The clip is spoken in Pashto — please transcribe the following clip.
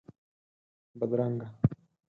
بدرنګه